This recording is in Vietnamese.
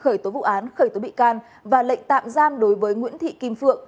khởi tố vụ án khởi tố bị can và lệnh tạm giam đối với nguyễn thị kim phượng